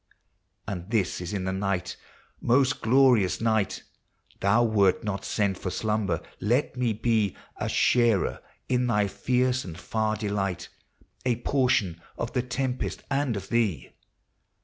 And this is in the night: — most glorious night! Thou wert not sent for slumber! let me be A sharer in thy fierce and far delight, — A portion of the tempest and of thee!